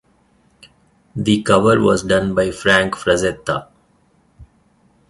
The cover was done by Frank Frazetta.